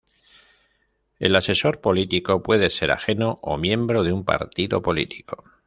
El asesor político puede ser ajeno o miembro de un partido político.